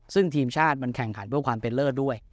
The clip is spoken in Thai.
ซึ่งทีมชาติมันแข่งขันเพื่อความเป็นเลิศด้วย